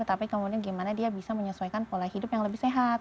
tapi kemudian gimana dia bisa menyesuaikan pola hidup yang lebih sehat